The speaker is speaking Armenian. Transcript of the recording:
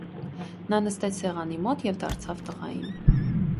Նա նստեց սեղանի մոտ և դարձավ տղային.